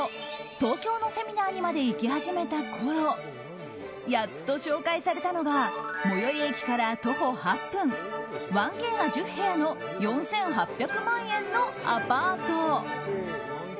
東京のセミナーにまで行き始めたころやっと紹介されたのが最寄駅から徒歩８分１Ｋが１０部屋の４８００万円のアパート。